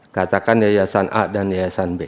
katakan yayasan a dan yayasan b